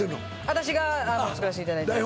私が作らせていただいてます